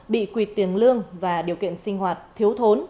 bị quỳt tiền lương và điều kiện sinh hoạt thiếu thốn